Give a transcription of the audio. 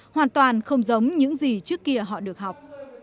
hoàn toàn không giống những gì trước kia họ được học